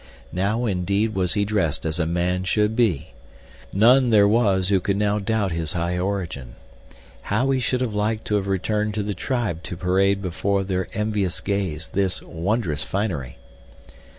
Now indeed was he dressed as a man should be. None there was who could now doubt his high origin. How he should have liked to have returned to the tribe to parade before their envious gaze this wondrous finery.